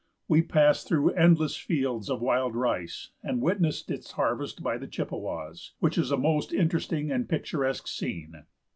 We passed through endless fields of wild rice, and witnessed its harvest by the Chippewas, which is a most interesting and picturesque scene.